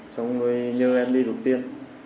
xong rồi nhờ em đi đột tiên